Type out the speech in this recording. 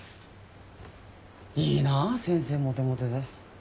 いいな先生モテモテで。